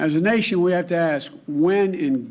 sebagai negara kita harus bertanya